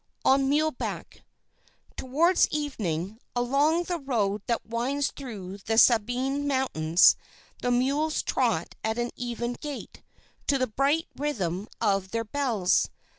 ON MULEBACK "Towards evening, along the road that winds through the Sabine Mountains, the mules trot at an even gait, to the bright rhythm of their bells.